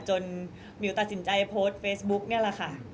หมิวตัดสินใจโพสต์เฟซบุ๊กนี่แหละค่ะ